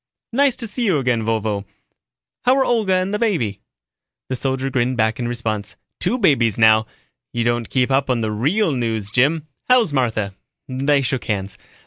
"Nice to see you again, Vovo. How're Olga and the baby?" The soldier grinned back in response. "Two babies now you don't keep up on the real news, Jim. How's Martha?" They shook hands.